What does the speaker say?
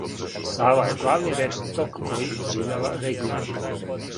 Сава је главни речни ток који оживљава регион.